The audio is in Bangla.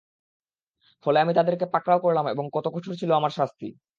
ফলে আমি তাদেরকে পাকড়াও করলাম এবং কত কঠোর ছিল আমার শাস্তি!